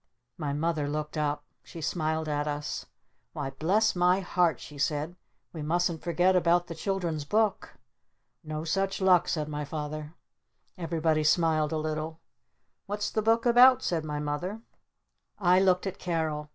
My Mother looked up. She smiled at us. "Why, bless my heart," she said, "we mustn't forget about the children's Book!" "No such luck," said my Father. Everybody smiled a little. "What's the Book about?" said my Mother. I looked at Carol.